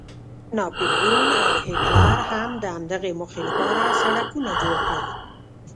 ناپلیون او هیټلر هم د همدغې موخې لپاره سړکونه جوړ کړل.